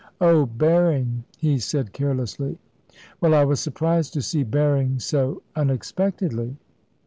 "Oh, Berring," he said, carelessly. "Well, I was surprised to see Berring so unexpectedly."